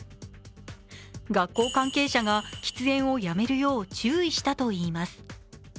学校関係者が喫煙をやめるよう注意したといいます。